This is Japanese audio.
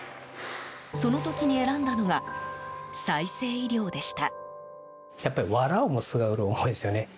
その時に選んだのが再生医療でした。